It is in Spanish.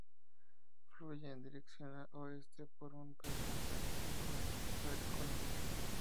Fluye en dirección oeste por un paisaje de estepa agrícola.